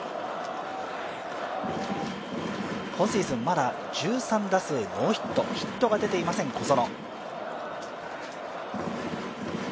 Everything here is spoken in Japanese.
今シーズンまだ１３打数ノーヒット、ヒットが出ていません小園。